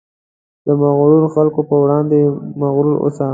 د مغرورو خلکو په وړاندې مغرور اوسه.